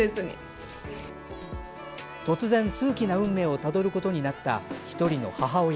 突然、数奇な運命をたどることになった１人の母親。